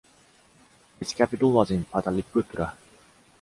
Its capital was in Pataliputra.